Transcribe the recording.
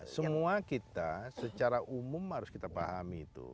semua kita secara umum harus kita pahami itu